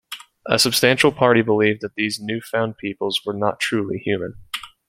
A substantial party believed that these newfound peoples were not truly human.